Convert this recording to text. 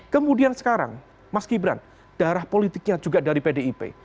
kemudian sekarang mas gibran darah politiknya juga dari pdip